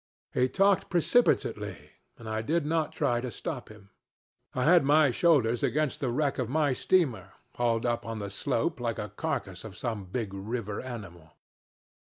He talked precipitately, and I did not try to stop him. I had my shoulders against the wreck of my steamer, hauled up on the slope like a carcass of some big river animal.